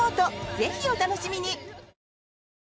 ぜひ、お楽しみに！